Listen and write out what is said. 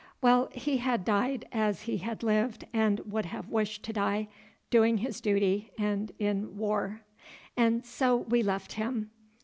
Well, he had died as he had lived and would have wished to die—doing his duty and in war. And so we left him.